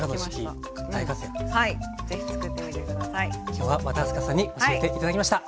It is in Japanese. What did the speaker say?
今日は和田明日香さんに教えて頂きました。